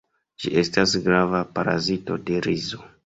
Ĝi estas grava parazito de rizo.